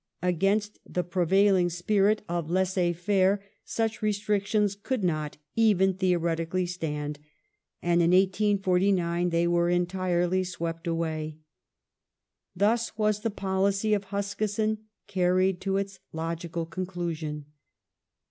Against the prevailing spirit of laisser faire such restric tions could not, even theoretically, stand, and in 1849 they were entirely swept away. Thus was the policy of Huskisson carried to its logical conclusion.